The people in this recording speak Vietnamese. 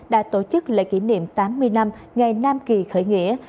đã tổ chức lễ kỷ niệm tám mươi năm ngày nam kỳ khởi nghĩa